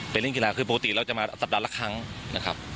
เล่นกีฬาคือปกติเราจะมาสัปดาห์ละครั้งนะครับ